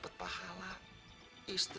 kamu tuh ngelupas